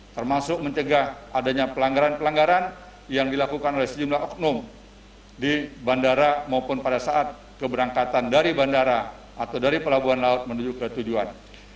termasuk mencegah adanya pelanggaran pelanggaran yang dilakukan oleh sejumlah oknum di bandara maupun pada saat keberangkatan dari bandara atau dari pelabuhan laut menuju ke tujuan